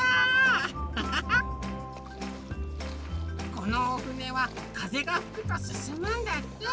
このおふねはかぜがふくとすすむんだって。